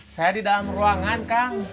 saya di dalam ruangan kang